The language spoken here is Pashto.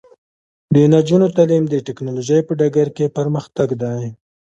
د نجونو تعلیم د ټیکنالوژۍ په ډګر کې پرمختګ دی.